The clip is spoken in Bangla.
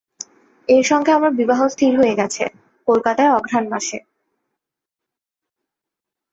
এঁর সঙ্গে আমার বিবাহ স্থির হয়ে গেছে, কলকাতায় অঘ্রান মাসে।